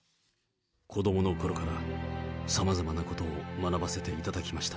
子どものころからさまざまなことを学ばせていただきました。